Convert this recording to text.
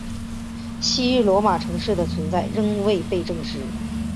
昔日罗马城市的存在仍未被证实。